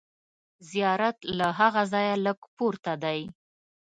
زیارت له هغه ځایه لږ پورته دی.